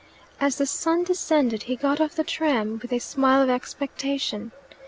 As the sun descended he got off the tram with a smile of expectation.